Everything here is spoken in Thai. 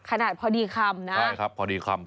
ขนาดพอดีคำนะใช่ครับพอดีคำ